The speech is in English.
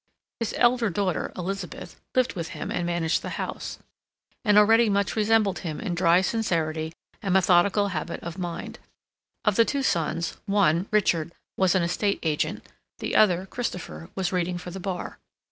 His elder daughter, Elizabeth, lived with him and managed the house, and already much resembled him in dry sincerity and methodical habit of mind; of the two sons one, Richard, was an estate agent, the other, Christopher, was reading for the Bar.